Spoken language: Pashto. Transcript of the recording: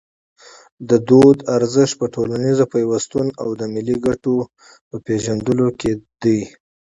د فرهنګ ارزښت په ټولنیز پیوستون او د ملي ګټو په پېژندلو کې دی.